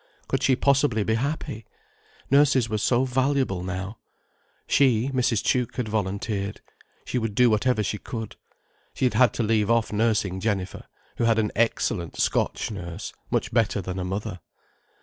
Could she possibly be happy? Nurses were so valuable now. She, Mrs. Tuke, had volunteered. She would do whatever she could. She had had to leave off nursing Jenifer, who had an excellent Scotch nurse, much better than a mother.